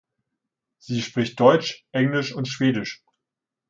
Sie spricht Deutsch, Englisch und Schwedisch.